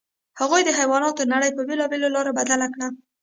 هغوی د حیواناتو نړۍ په بېلابېلو لارو بدل کړه.